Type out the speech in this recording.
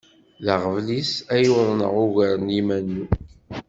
D aɣbel-is ay uḍneɣ ugar n yiman-iw.